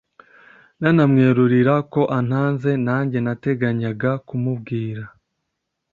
nanamwerurira ko antanze nanjye nateganyaga kumubwira